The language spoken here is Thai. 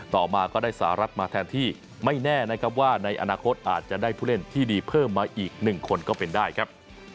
ต่อมาก็ได้สหรัฐมาแทนที่ไม่แน่นะครับว่าในอนาคตอาจจะได้ผู้เล่นที่ดีเพิ่มมาอีก๑คนก็เป็นได้ครับ